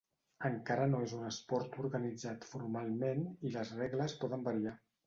Encara no és un esport organitzat formalment i les regles poden variar.